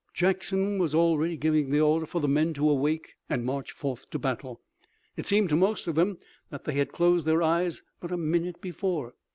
Jackson was already giving the order for the men to awake and march forth to battle. It seemed to most of them that they had closed their eyes but a minute before.